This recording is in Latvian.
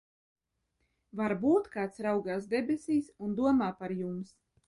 Varbūt kāds raugās debesīs un domā par jums?